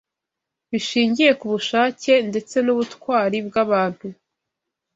bishingiye ku bushake ndetse n’ubutwari bw’abantu.